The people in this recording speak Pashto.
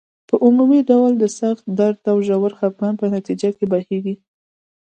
په عمومي ډول د سخت درد او ژور خپګان په نتیجه کې بهیږي.